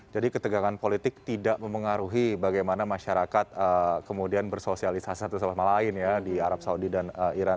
jadi ketegangan politik tidak memengaruhi bagaimana masyarakat kemudian bersosialisasi satu sama lain di arab saudi dan iran